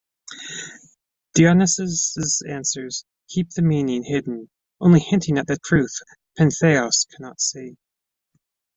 Dionysus' answers keep the meaning hidden, only hinting at the truth Pentheus cannot see.